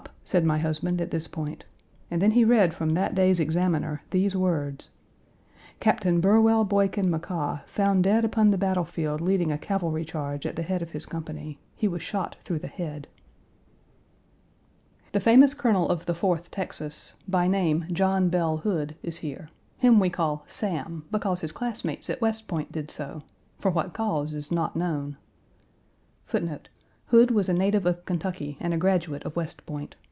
said my husband at this point, and then he read from that day's Examiner these words: "Captain Burwell Boykin McCaa found dead upon the battle field leading a cavalry charge at the head of his company. He was shot through the head." The famous colonel of the Fourth Texas, by name John Page 230 Bell Hood,1 is here him we call Sam, because his classmates at West Point did so for what cause is not known.